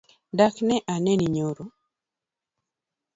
Dak ne aneni nyoro?